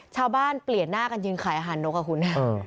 ชาวบ้านเปลี่ยนหน้ากันยืนขายอาหารนกอ่ะคุณ